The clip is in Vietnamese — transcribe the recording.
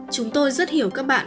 chúng tôi rất hiểu các bạn